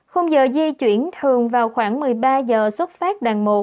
khung giờ di chuyển thường vào khoảng một mươi ba giờ xuất phát đoàn một